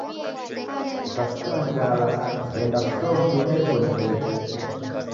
Kukaskira njala ghenda kushoo Munyunya irikonyi kudoke.